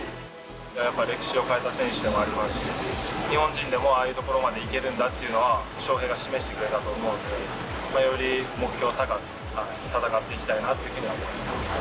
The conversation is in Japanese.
やっぱり歴史を変えた選手でもありますし、日本人でもああいうところまで行けるんだっていうのは、翔平が示してくれたと思うんで、より目標を高く戦っていきたいなというふうには思います。